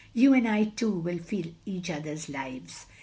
"You and I, too, will fill each other's lives.